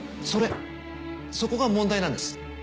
それそこが問題なんです。